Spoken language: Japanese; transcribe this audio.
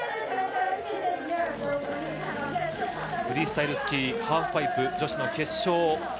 フリースタイルスキーハーフパイプ女子の決勝。